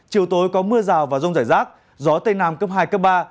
chiều tối có mưa rào và rông rải rác gió tây nam cấp hai cấp ba